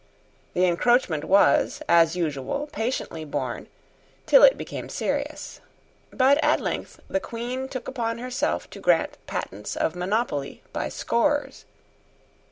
The encroachment was, as usual, patiently borne, till it became serious. But at length the Queen took upon herself to grant patents of monopoly by scores.